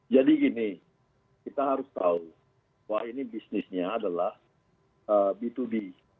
jadi gini kita harus tahu bahwa ini bisnisnya adalah b dua b